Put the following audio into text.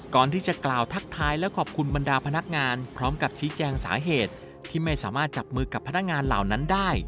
ก่อนที่จะกล่าวทักทายและขอบคุณบรรดาพนักงานพร้อมกับชี้แจงสาเหตุที่ไม่สามารถจับมือกับพนักงานเหล่านั้นได้